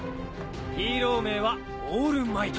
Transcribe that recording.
ヒーロー名はオールマイト。